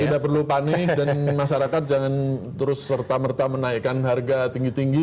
tidak perlu panik dan masyarakat jangan terus serta merta menaikkan harga tinggi tinggi